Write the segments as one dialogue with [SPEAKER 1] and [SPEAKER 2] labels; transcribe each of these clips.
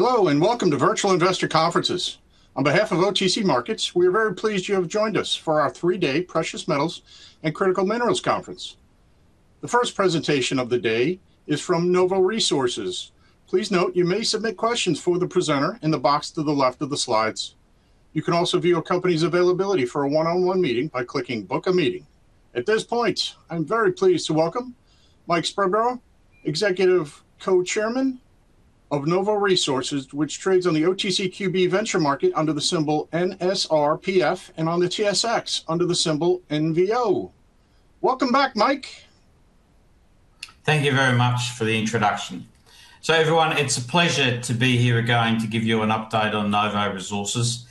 [SPEAKER 1] Hello. Welcome to Virtual Investor Conferences. On behalf of OTC Markets, we are very pleased you have joined us for our three-day Precious Metals and Critical Minerals Conference. The first presentation of the day is from Novo Resources. Please note you may submit questions for the presenter in the box to the left of the slides. You can also view a company's availability for a one-on-one meeting by clicking Book a Meeting. At this point, I'm very pleased to welcome Michael Spreadborough, Executive Co-Chairman of Novo Resources, which trades on the OTCQB Venture Market under the symbol NSRPF, and on the TSX under the symbol NVO. Welcome back, Michael.
[SPEAKER 2] Thank you very much for the introduction. Everyone, it's a pleasure to be here again to give you an update on Novo Resources.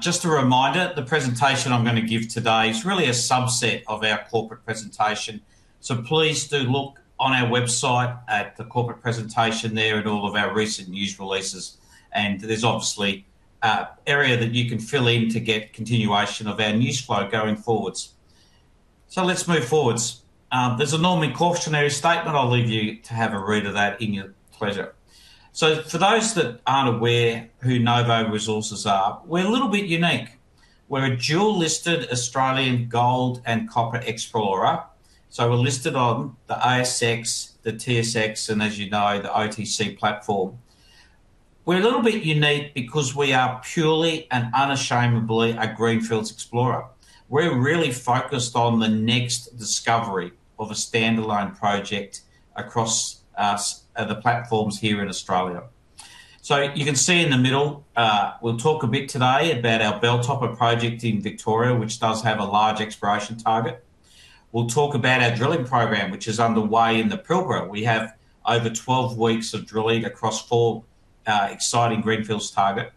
[SPEAKER 2] Just a reminder, the presentation I'm going to give today is really a subset of our corporate presentation. Please do look on our website at the corporate presentation there and all of our recent news releases. There's obviously an area that you can fill in to get continuation of our news flow going forwards. Let's move forwards. There's a normal cautionary statement, I'll leave you to have a read of that in your pleasure. For those that aren't aware who Novo Resources are, we're a little bit unique. We're a dual-listed Australian gold and copper explorer. We're listed on the ASX, the TSX, and as you know, the OTC platform. We're a little bit unique because we are purely and unashamedly a greenfields explorer. We're really focused on the next discovery of a standalone project across the platforms here in Australia. You can see in the middle, we'll talk a bit today about our Belltopper project in Victoria, which does have a large exploration target. We'll talk about our drilling program, which is underway in the Pilbara. We have over 12 weeks of drilling across four exciting greenfields target.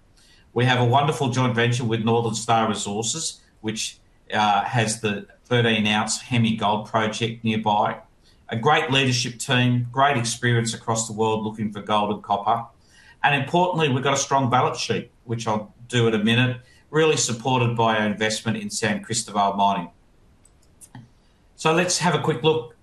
[SPEAKER 2] We have a wonderful joint venture with Northern Star Resources, which has the 13-ounce Hemi Gold project nearby. A great leadership team, great experience across the world looking for gold and copper. Importantly, we've got a strong balance sheet, which I'll do in a minute, really supported by our investment in San Cristobal Mining. Let's have a quick look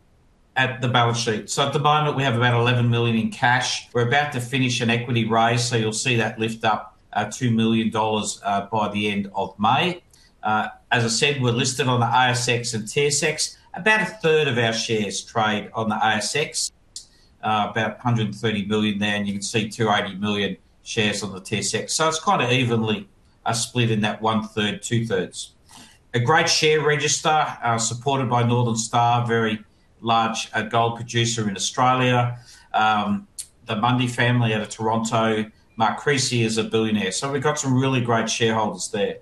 [SPEAKER 2] at the balance sheet. At the moment, we have about 11 million in cash. We're about to finish an equity raise, so you'll see that lift up 2 million dollars by the end of May. As I said, we're listed on the ASX and TSX. About a third of our shares trade on the ASX, about 130 million there, and you can see 280 million shares on the TSX. It's kind of evenly split in that one-third, two-thirds. A great share register, supported by Northern Star, very large gold producer in Australia. The Mundy family out of Toronto. Mark Creasy is a billionaire. We've got some really great shareholders there.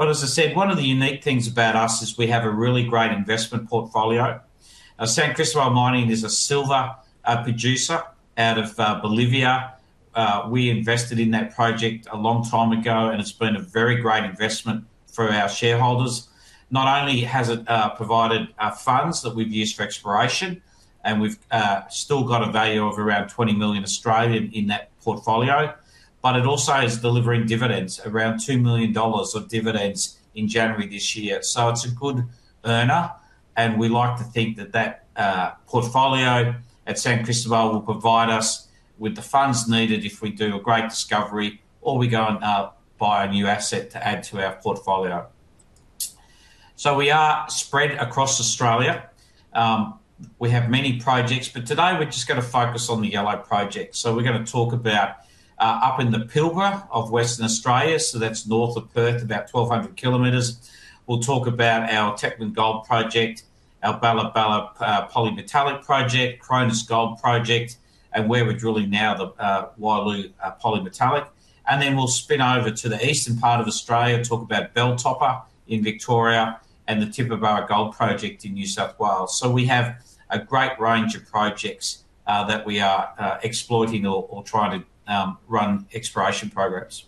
[SPEAKER 2] As I said, one of the unique things about us is we have a really great investment portfolio. San Cristobal Mining is a silver producer out of Bolivia. We invested in that project a long time ago, and it's been a very great investment for our shareholders. Not only has it provided funds that we've used for exploration, and we've still got a value of around 20 million in that portfolio, but it also is delivering dividends, around 2 million dollars of dividends in January this year. It's a good earner, and we like to think that that portfolio at San Cristobal will provide us with the funds needed if we do a great discovery or we go and buy a new asset to add to our portfolio. We are spread across Australia. We have many projects, but today we're just gonna focus on the yellow projects. We're gonna talk about up in the Pilbara of Western Australia, so that's north of Perth, about 1,200 kilometers. We'll talk about our Teichman Gold project, our Bala Bala polymetallic project, Cronus Gold project, and where we're drilling now, the Wyloo polymetallic. Then we'll spin over to the eastern part of Australia, talk about Belltopper in Victoria, and the Tibooburra Gold project in New South Wales. We have a great range of projects that we are exploiting or trying to run exploration programs.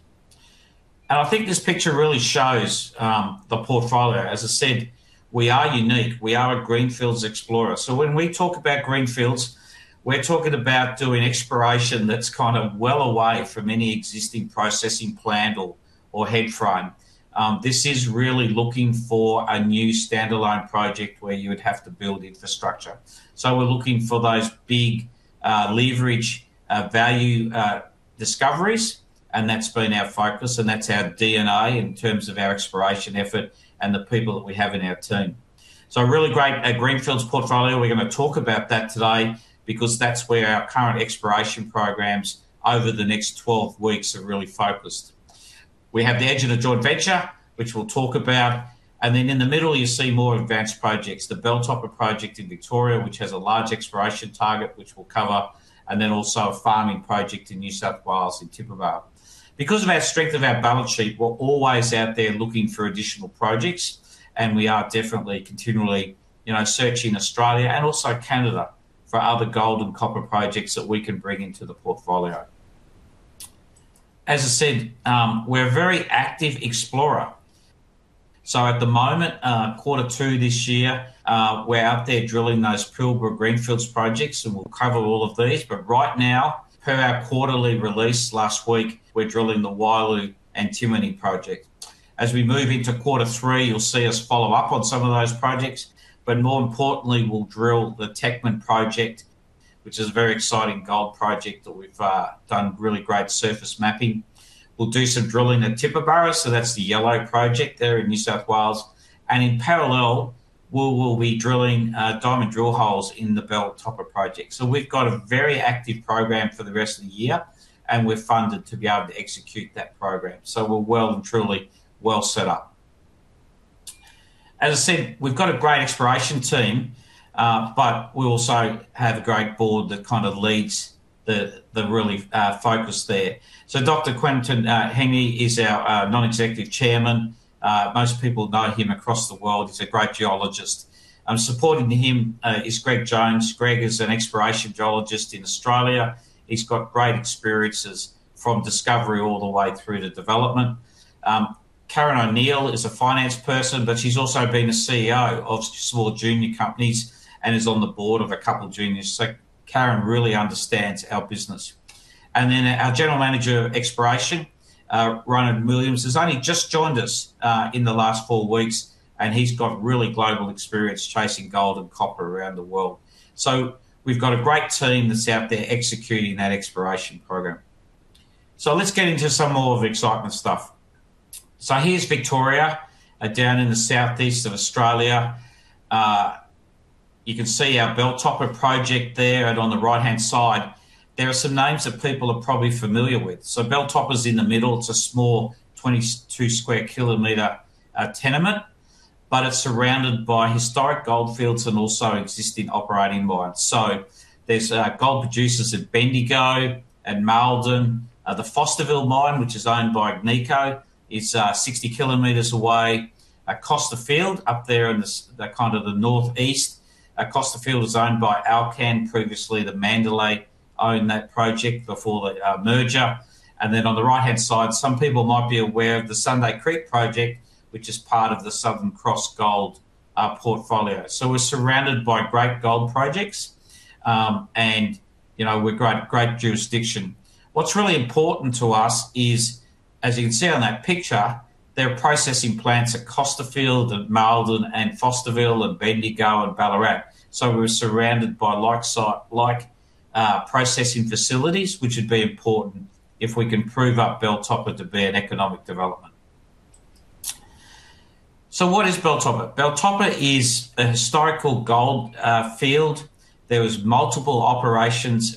[SPEAKER 2] I think this picture really shows the portfolio. As I said, we are unique. We are a greenfields explorer. When we talk about greenfields, we're talking about doing exploration that's kind of well away from any existing processing plant or headframe. This is really looking for a new standalone project where you would have to build infrastructure. We're looking for those big leverage value discoveries, and that's been our focus and that's our DNA in terms of our exploration effort and the people that we have in our team. A really great greenfields portfolio. We're gonna talk about that today because that's where our current exploration programs over the next 12 weeks are really focused. We have the edge of the Joint Venture, which we'll talk about. In the middle, you see more advanced projects. The Belltopper Project in Victoria, which has a large exploration target, which we'll cover. Also a farming project in New South Wales in Tibooburra. Because of our strength of our balance sheet, we're always out there looking for additional projects, and we are definitely continually, you know, searching Australia, and also Canada, for other gold and copper projects that we can bring into the portfolio. As I said, we're a very active explorer. At the moment, quarter two this year, we're out there drilling those Pilbara greenfields projects, and we'll cover all of these. Right now, per our quarterly release last week, we're drilling the Wyloo antimony project. As we move into quarter three, you'll see us follow up on some of those projects. More importantly, we'll drill the Teichman project, which is a very exciting gold project that we've done really great surface mapping. We'll do some drilling at Tibooburra, so that's the yellow project there in New South Wales. In parallel, we will be drilling diamond drill holes in the Belltopper project. We've got a very active program for the rest of the year, and we're funded to be able to execute that program. We're well and truly well set up. As I said, we've got a great exploration team, but we also have a great board that kind of leads the really focus there. Dr. Quinton Hennigh is our Non-Executive Co-Chairman. Most people know him across the world. He's a great geologist. Supporting him is Greg Jones. Greg is an exploration geologist in Australia. He's got great experiences from discovery all the way through to development. Karen O'Neill is a finance person, but she's also been a CEO of small junior companies and is on the board of a couple of juniors. Karen really understands our business. Our General Manager of Exploration, Ronan Williams, has only just joined us in the last four weeks, and he's got really global experience chasing gold and copper around the world. We've got a great team that's out there executing that exploration program. Let's get into some more of the excitement stuff. Here's Victoria down in the southeast of Australia. You can see our Belltopper project there. On the right-hand side, there are some names that people are probably familiar with. Belltopper's in the middle. It's a small 22 sq km tenement, but it's surrounded by historic gold fields and also existing operating mines. There's gold producers at Bendigo and Maldon. The Fosterville Gold Mine, which is owned by Agnico, is 60 km away. Costerfield up there in the kind of the northeast. Costerfield is owned by Alkane, previously Mandalay owned that project before the merger. Then on the right-hand side, some people might be aware of the Sunday Creek project, which is part of the Southern Cross Gold portfolio. We're surrounded by great gold projects. You know, we've got great jurisdiction. What's really important to us is, as you can see on that picture, there are processing plants at Costerfield and Maldon and Fosterville and Bendigo and Ballarat. We're surrounded by like processing facilities, which would be important if we can prove up Belltopper to be an economic development. What is Belltopper? Belltopper is a historical gold field. There was multiple operations,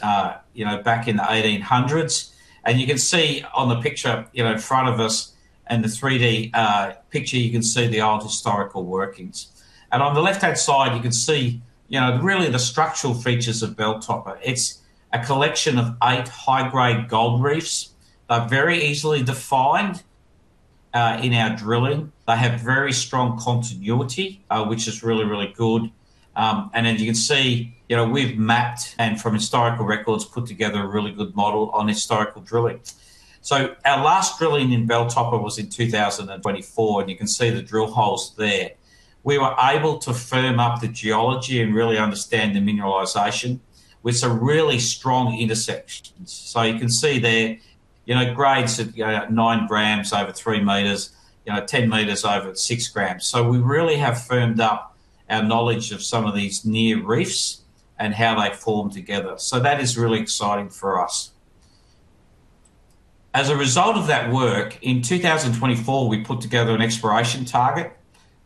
[SPEAKER 2] you know, back in the 1800s. You can see on the picture, you know, in front of us, in the 3D picture, you can see the old historical workings. On the left-hand side, you can see, you know, really the structural features of Belltopper. It's a collection of 8 high-grade gold reefs. They're very easily defined in our drilling. They have very strong continuity, which is really good. As you can see, you know, we've mapped, and from historical records, put together a really good model on historical drilling. Our last drilling in Belltopper was in 2024, and you can see the drill holes there. We were able to firm up the geology and really understand the mineralization with some really strong intersections. You can see there, you know, grades of, you know, 9 g over 3 m, you know, 10 m over 6 g. We really have firmed up our knowledge of some of these near reefs and how they form together. That is really exciting for us. As a result of that work, in 2024, we put together an exploration target.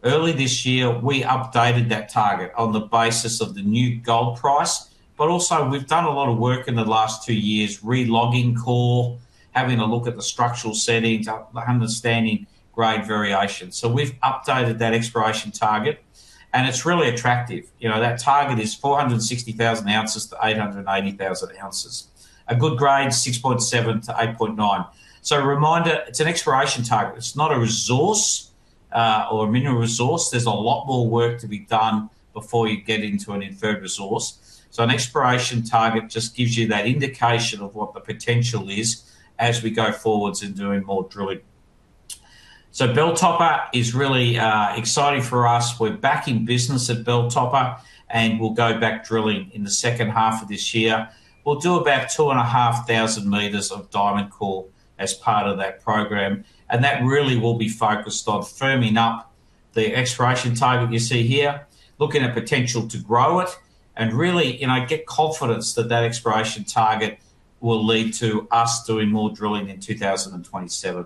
[SPEAKER 2] Early this year, we updated that target on the basis of the new gold price, but also we've done a lot of work in the last two years re-logging core, having a look at the structural settings, understanding grade variation. We've updated that exploration target, and it's really attractive. You know, that target is 460,000-880,000 ounces. A good grade, 6.7-8.9. A reminder, it's an exploration target. It's not a resource or a mineral resource. There's a lot more work to be done before you get into an inferred resource. An exploration target just gives you that indication of what the potential is as we go forwards in doing more drilling. Belltopper is really exciting for us. We're back in business at Belltopper, and we'll go back drilling in the second half of this year. We'll do about 2,500 m of diamond core as part of that program, and that really will be focused on firming up the exploration target you see here, looking at potential to grow it, and really, you know, get confidence that that exploration target will lead to us doing more drilling in 2027.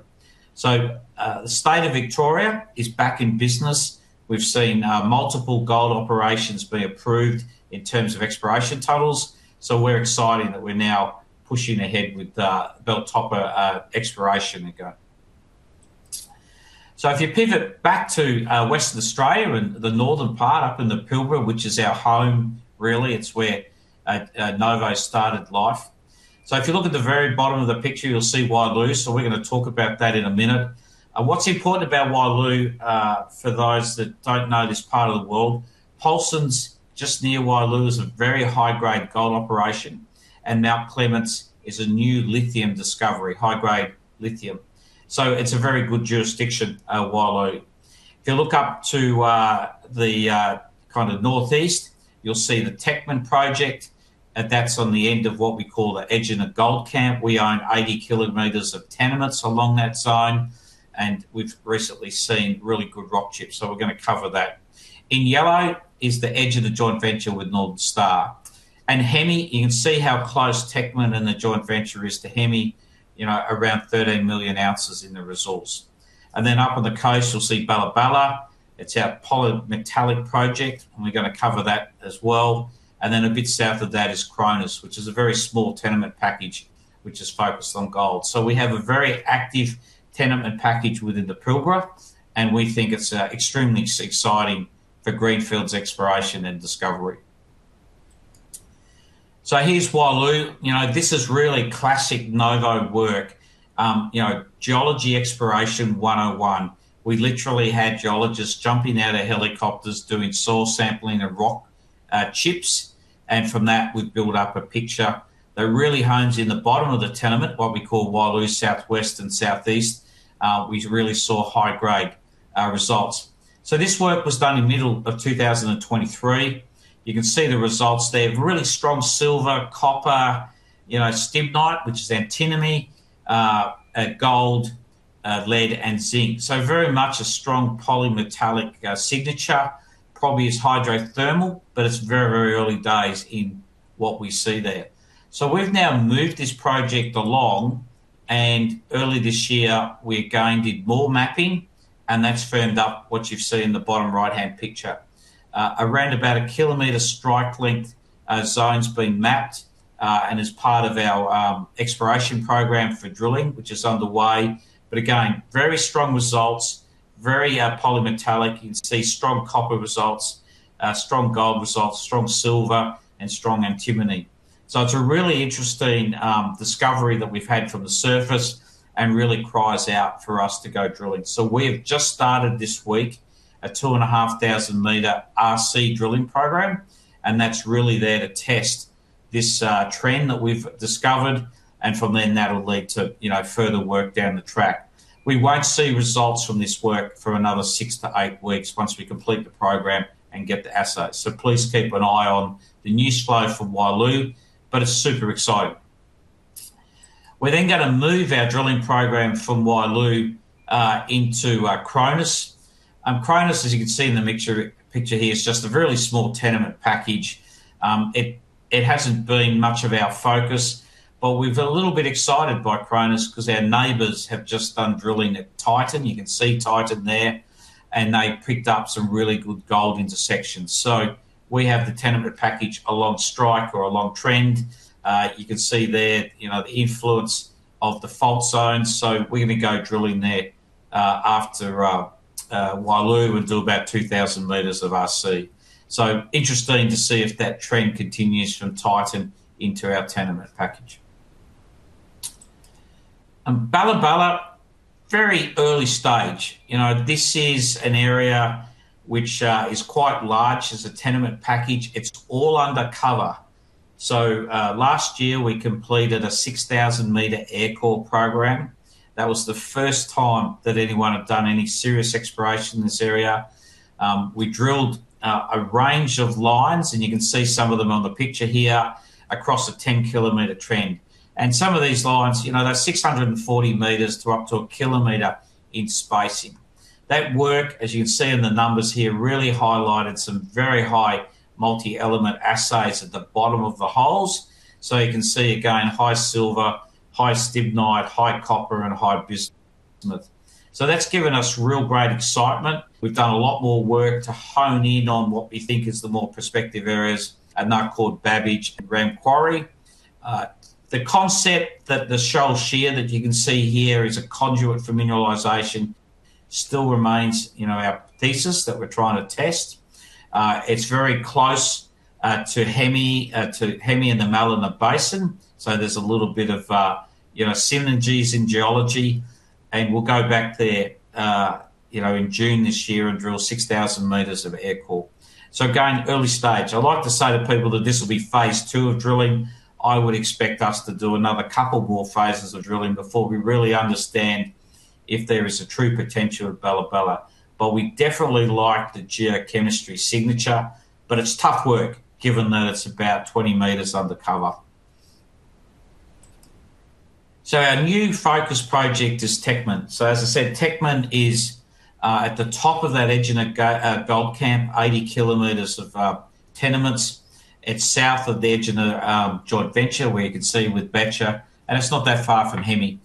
[SPEAKER 2] The state of Victoria is back in business. We've seen multiple gold operations be approved in terms of exploration titles, so we're excited that we're now pushing ahead with Belltopper exploration again. If you pivot back to Western Australia and the northern part up in the Pilbara, which is our home really, it's where Novo started life. If you look at the very bottom of the picture, you'll see Wyloo, so we're gonna talk about that in one minute. What's important about Wyloo, for those that don't know this part of the world, Paulsens, just near Wyloo, is a very high-grade gold operation, and Mt Clements is a new lithium discovery, high-grade lithium. It's a very good jurisdiction, Wyloo. If you look up to the kind of northeast, you'll see the Teichman project. That's on the end of what we call the engina the gold camp. We own 80 km of tenements along that zone, and we're gonna cover that. In yellow is the edge of the joint venture with Northern Star. Hemi, you can see how close Teichman and the joint venture is to Hemi, you know, around 13 million ounces in the resource. Then up on the coast, you'll see Wyloo. It's our polymetallic project, and we're gonna cover that as well. Then a bit south of that is Cronus, which is a very small tenement package which is focused on gold. We have a very active tenement package within the Pilbara, and we think it's extremely exciting for greenfields exploration and discovery. Here's Wyloo. You know, this is really classic Novo work. You know, geology exploration 101. We literally had geologists jumping out of helicopters doing soil sampling of rock chips, and from that we've built up a picture that really hones in the bottom of the tenement, what we call Wyloo South West and South East. We really saw high-grade results. This work was done in middle of 2023. You can see the results there. Really strong silver, copper, you know, stibnite, which is antimony, gold, lead and zinc. Very much a strong polymetallic signature. Probably is hydrothermal, but it's very, very early days in what we see there. We've now moved this project along, and early this year we again did more mapping, and that's firmed up what you see in the bottom right-hand picture. Around about a kilometer strike length zone's been mapped and is part of our exploration program for drilling, which is underway. Again, very strong results, very polymetallic. You can see strong copper results, strong gold results, strong silver and strong antimony. It's a really interesting discovery that we've had from the surface and really cries out for us to go drilling. We've just started this week a 2,500-meter RC drilling program, and that's really there to test this trend that we've discovered, and from then that'll lead to, you know, further work down the track. We won't see results from this work for another 6-8 weeks once we complete the program and get the assays. Please keep an eye on the news flow from Wyloo, but it's super exciting. We're then gonna move our drilling program from Wyloo into Cronus. Cronus, as you can see in the picture here, is just a very small tenement package. It hasn't been much of our focus, but we're a little bit excited by Cronus 'cause our neighbors have just done drilling at Titan. You can see Titan there. They picked up some really good gold intersections. We have the tenement package along strike or along trend. You can see there, you know, the influence of the fault zones. We're gonna go drilling there after Wyloo. We'll do about 2,000 meters of RC. Interesting to see if that trend continues from Titan into our tenement package. Bala Bala, very early stage. You know, this is an area which is quite large as a tenement package. It's all under cover. Last year we completed a 6,000-meter aircore program. That was the first time that anyone had done any serious exploration in this area. We drilled a range of lines, and you can see some of them on the picture here, across a 10-kilometer trend. Some of these lines, you know, they're 640 m through up to 1 km in spacing. That work, as you can see in the numbers here, really highlighted some very high multi-element assays at the bottom of the holes. You can see again high silver, high stibnite, high copper and high bismuth. That's given us real great excitement. We've done a lot more work to hone in on what we think is the more prospective areas are now called Babbage and Grand Quarry. The concept that the Sholl Shear that you can see here is a conduit for mineralization still remains, you know, our thesis that we're trying to test. It's very close to Hemi, to Hemi and the Mallina Basin, so there's a little bit of, you know, synergies in geology. We'll go back there, you know, in June this year and drill 6,000 meters of aircore. Again, early stage. I like to say to people that this will be phase II of drilling. I would expect us to do another couple more phases of drilling before we really understand if there is a true potential at Bala Bala. We definitely like the geochemistry signature, but it's tough work given that it's about 20 m under cover. Our new focus project is Teichman. As I said, Teichman is at the top of that Egina Gold Camp, 80 km of tenements. It's south of the Edge of the joint venture where you can see with Becher, and it's not that far from Hemi.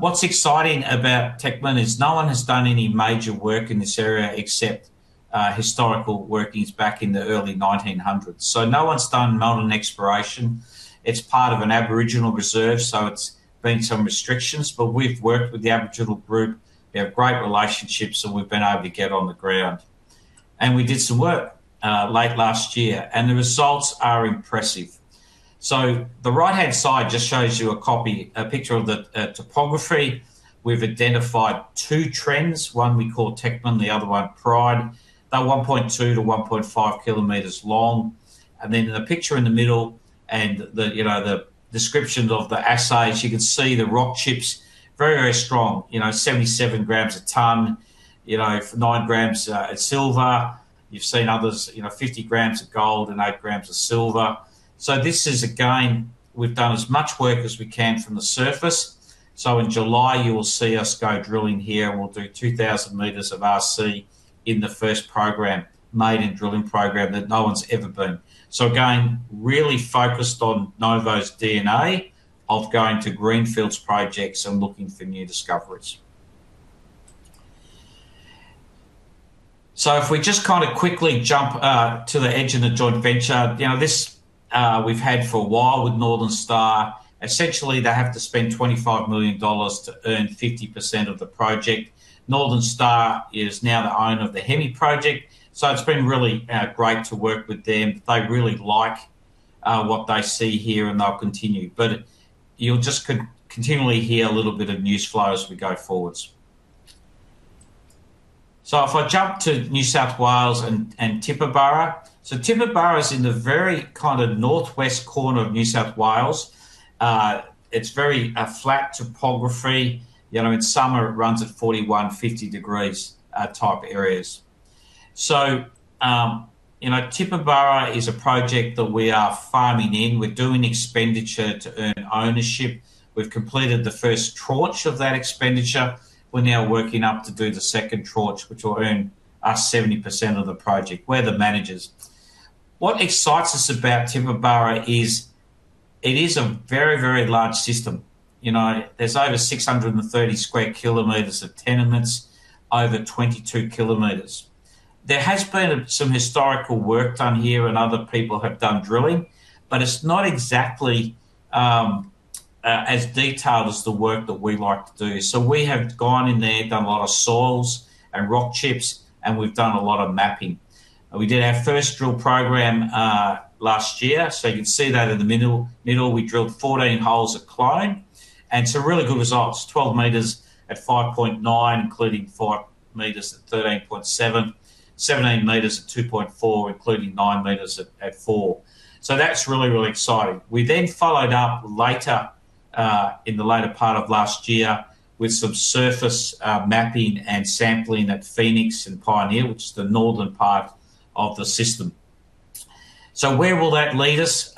[SPEAKER 2] What's exciting about Teichman is no one has done any major work in this area except historical workings back in the early 1900s. No one's done modern exploration. It's part of an Aboriginal reserve, so it's been some restrictions, but we've worked with the Aboriginal group. We have great relationships, and we've been able to get on the ground. We did some work late last year, and the results are impressive. The right-hand side just shows you a picture of the topography. We've identified two trends. One we call Teichman, the other one Pride. They're 1.2 km-1.5 km long. Then in the picture in the middle and the, you know, the descriptions of the assays, you can see the rock chips very strong. You know, 77 grams a ton. You know, 9 g of silver. You've seen others, you know, 50 g of gold and 8 g of silver. This is, again, we've done as much work as we can from the surface. In July, you will see us go drilling here, and we'll do 2,000 m of RC in the first program, maiden drilling program that no one's ever been. Again, really focused on Novo's DNA of going to greenfields projects and looking for new discoveries. If we just kind of quickly jump to the edge of the joint venture. You know, this, we've had for a while with Northern Star. Essentially, they have to spend 25 million dollars to earn 50% of the project. Northern Star is now the owner of the Hemi project, it's been really great to work with them. They really like what they see here, and they'll continue. You'll just continually hear a little bit of news flow as we go forwards. If I jump to New South Wales and Tibooburra. Tibooburra is in the very kind of northwest corner of New South Wales. It's very flat topography. You know, in summer it runs at 41, 50 degrees type areas. You know, Tibooburra is a project that we are farming in. We're doing expenditure to earn ownership. We've completed the first tranche of that expenditure. We're now working up to do the second tranche, which will earn us 70% of the project. We're the managers. What excites us about Tibooburra is it is a very, very large system. You know, there's over 630 sq km of tenements over 22 km. There has been some historical work done here, and other people have done drilling, but it's not exactly as detailed as the work that we like to do. We have gone in there, done a lot of soils and rock chips, and we've done a lot of mapping. We did our first drill program last year. You can see that in the middle. We drilled 14 holes at Croydon, and some really good results. 12 m at 5.9, including 4 m at 13.7. 17 m at 2.4, including 9 m at 4. That's really exciting. We then followed up later, in the later part of last year with some surface mapping and sampling at Phoenix and Pioneer, which is the northern part of the system. Where will that lead us?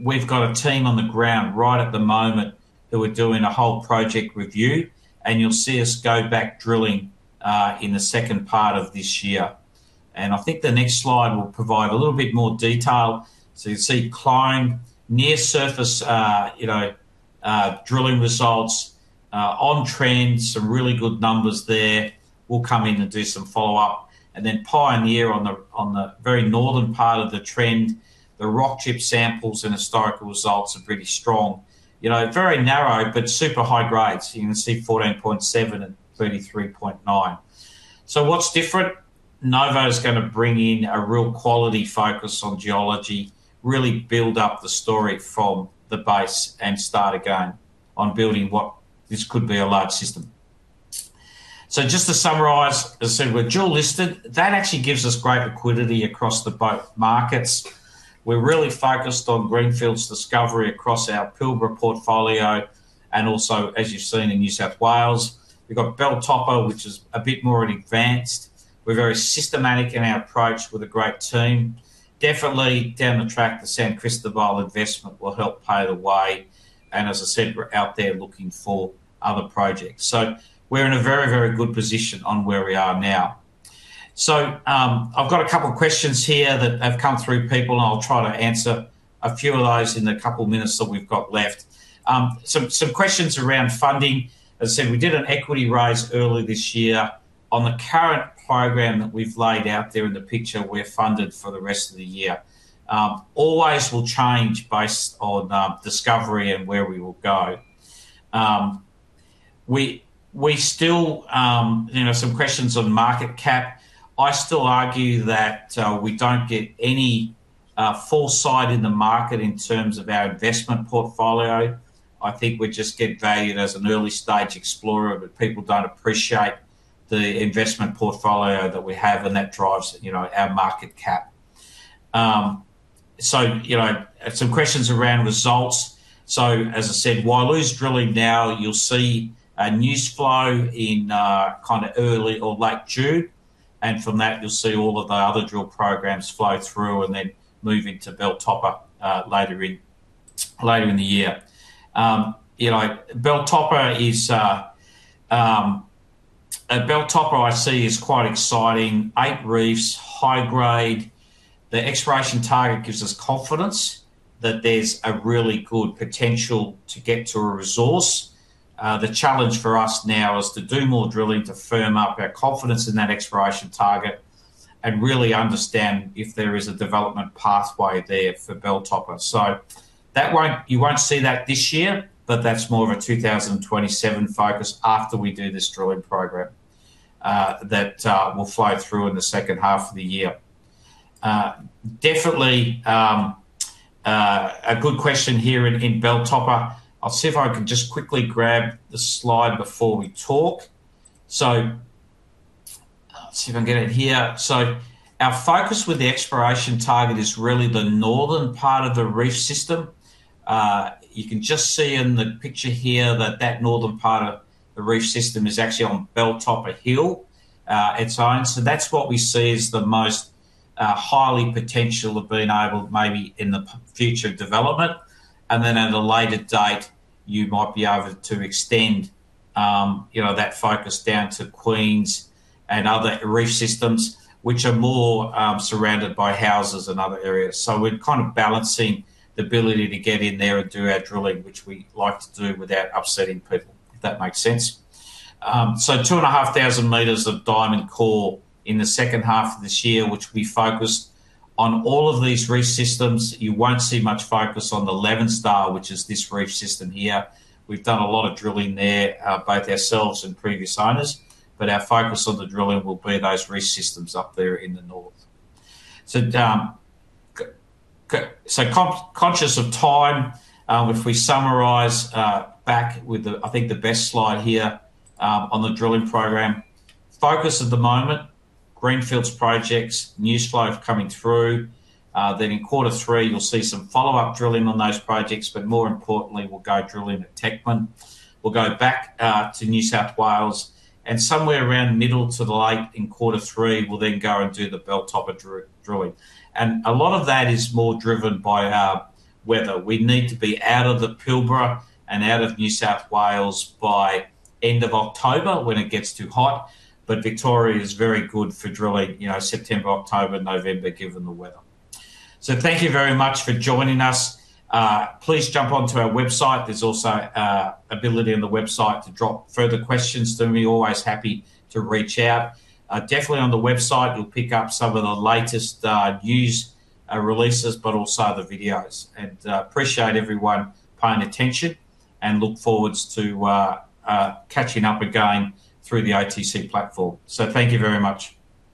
[SPEAKER 2] We've got a team on the ground right at the moment who are doing a whole project review, and you'll see us go back drilling in the second part of this year. I think the next slide will provide a little bit more detail. You can see Clyde near surface, you know, drilling results on trend, some really good numbers there. We'll come in and do some follow-up. Then Pioneer on the very northern part of the trend. The rock chip samples and historical results are pretty strong. You know, very narrow, but super high grades. You can see 14.7 and 33.9. What's different? Novo's gonna bring in a real quality focus on geology, really build up the story from the base and start again on building what this could be a large system. Just to summarize, as I said, we're dual listed. That actually gives us great liquidity across the both markets. We're really focused on greenfields discovery across our Pilbara portfolio, and also, as you've seen in New South Wales. We've got Tibooburra, which is a bit more advanced. We're very systematic in our approach with a great team. Definitely down the track, the San Cristobal investment will help pave the way. As I said, we're out there looking for other projects. We're in a very, very good position on where we are now. I've got a couple questions here that have come through, people. I'll try to answer a few of those in the couple minutes that we've got left. Some questions around funding. As I said, we did an equity raise early this year. On the current program that we've laid out there in the picture, we're funded for the rest of the year. Always will change based on discovery and where we will go. We still, you know, some questions on market cap. I still argue that we don't get any foresight in the market in terms of our investment portfolio. I think we just get valued as an early-stage explorer, but people don't appreciate the investment portfolio that we have, and that drives, you know, our market cap. You know, some questions around results. As I said, while it is drilling now, you'll see a news flow in, kinda early or late June. From that, you'll see all of the other drill programs flow through, and then moving to Belltopper, later in, later in the year. You know, Belltopper is, Belltopper I see is quite exciting. Eight reefs, high grade. The exploration target gives us confidence that there's a really good potential to get to a resource. The challenge for us now is to do more drilling to firm up our confidence in that exploration target and really understand if there is a development pathway there for Belltopper. You won't see that this year, but that's more of a 2027 focus after we do this drilling program that will flow through in the second half of the year. Definitely, a good question here in Belltopper. I'll see if I can just quickly grab the slide before we talk. See if I can get it here. Our focus with the exploration target is really the northern part of the reef system. You can just see in the picture here that that northern part of the reef system is actually on Belltopper Hill. That's what we see as the most highly potential of being able maybe in the future development. At a later date, you might be able to extend, you know, that focus down to Queens and other reef systems, which are more surrounded by houses and other areas. We're kind of balancing the ability to get in there and do our drilling, which we like to do without upsetting people, if that makes sense. 2,500 m of diamond core in the second half of this year, which we focused on all of these reef systems. You won't see much focus on the Leviathan, which is this reef system here. We've done a lot of drilling there, both ourselves and previous owners. Our focus on the drilling will be those reef systems up there in the north. Conscious of time, if we summarize back with the, I think the best slide here, on the drilling program. Focus at the moment, greenfields projects, news flow coming through. Then in Q3, you'll see some follow-up drilling on those projects, but more importantly, we'll go drilling at Teichman. We'll go back to New South Wales, and somewhere around middle to the late in Q3, we'll then go and do the Belltopper drilling. A lot of that is more driven by our weather. We need to be out of the Pilbara and out of New South Wales by end of October when it gets too hot. Victoria is very good for drilling, you know, September, October, November, given the weather. Thank you very much for joining us. Please jump onto our website. There's also ability on the website to drop further questions to me. Always happy to reach out. Definitely on the website, you'll pick up some of the latest news releases, but also the videos. Appreciate everyone paying attention and look forwards to catching up again through the OTC platform. Thank you very much.